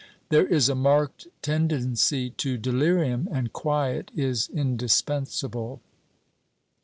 There is a marked tendency to delirium, and quiet is indispensable."